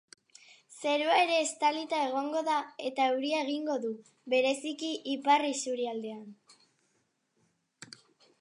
Zerua ere estalita egongo da eta euria egingo du, bereziki ipar isurialdean.